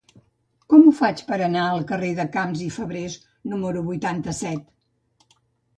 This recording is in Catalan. Com ho faig per anar al carrer de Camps i Fabrés número vuitanta-set?